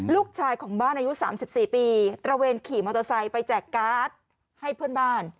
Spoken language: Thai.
ลูกชายของบ้านอายุ๓๔ปีตระเวนขี่มอเตอร์ไซค์ไปแจกการ์ดให้เพื่อนบ้าน